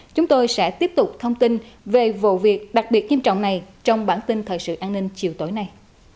chúng tôi sẽ tiếp tục thông tin về vụ việc đặc biệt nghiêm trọng này trong bản tin thời sự an ninh chiều tối nay